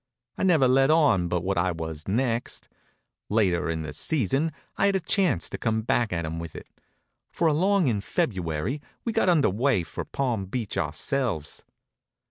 I never let on but what I was next. Later in the season I had a chance to come back at him with it, for along in February we got under way for Palm Beach ourselves.